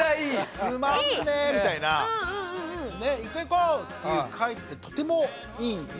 「つまんねえ」みたいな。いこういこう！っていう会ってとてもいい。ね？